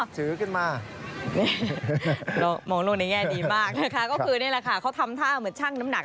ถือขึ้นมานี่เรามองโลกในแง่ดีมากนะคะก็คือนี่แหละค่ะเขาทำท่าเหมือนช่างน้ำหนัก